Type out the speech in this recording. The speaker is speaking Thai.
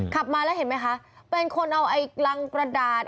ขับมาแล้วเห็นไหมคะเป็นคนเอาไอ้รังกระดาษ